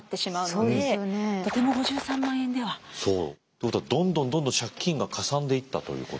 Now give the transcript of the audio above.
ということはどんどんどんどん借金がかさんでいったということ。